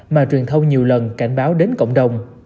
mà truyền thông nhiều lần cảnh báo đến cộng đồng